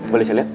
boleh saya liat